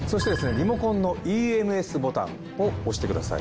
リモコンのＥＭＳボタンを押してください。